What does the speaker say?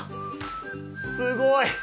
すごい！